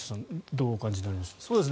どうお感じになりますか。